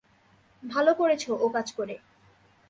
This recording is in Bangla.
ভালো করেছ ওকাজ করে।